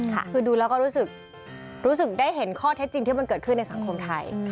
คือดูแล้วก็รู้สึกได้เห็นข้อเท็จจริงที่มันเกิดขึ้นในสังคมไทย